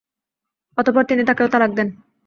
অতঃপর তিনি তাঁকেও তালাক দেন।